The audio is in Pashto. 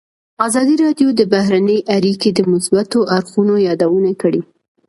ازادي راډیو د بهرنۍ اړیکې د مثبتو اړخونو یادونه کړې.